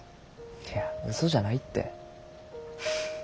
いやうそじゃないって。